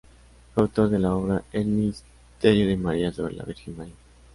Fue autor de la obra "El Misterio de María", sobre la Virgen María.